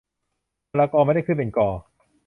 มะละกอ ไม่ได้ขึ้นเป็นกอ